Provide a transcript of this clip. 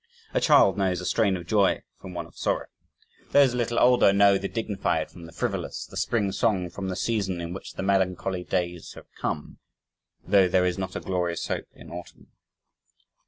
A child knows a "strain of joy," from one of sorrow. Those a little older know the dignified from the frivolous the Spring Song from the season in which the "melancholy days have come" (though is there not a glorious hope in autumn!).